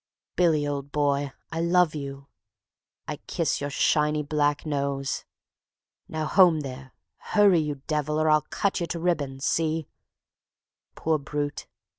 "Billy, old boy, I love you, I kiss your shiny black nose; Now, home there. ... Hurry, you devil, or I'll cut you to ribands. ... See ..." Poor brute!